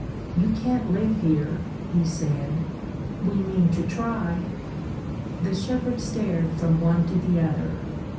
"You can't live here," he said. "We mean to try." The shepherd stared from one to the other.